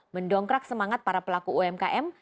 mendongkrak semangat para pelaku umkm